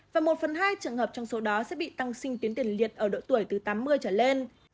và một phần hai trường hợp trong số đó sẽ bị tăng sinh tiến tiền liệt ở độ tuổi từ tám mươi trở lên